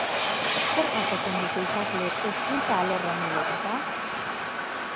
Zer jasotzen dute ikasleek hezkuntza alor honi lotuta?